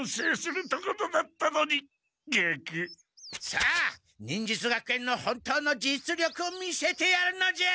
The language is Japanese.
さあ忍術学園の本当の実力を見せてやるのじゃ！